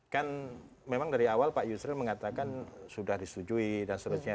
kan memang dari awal pak yusril mengatakan sudah disetujui dan seterusnya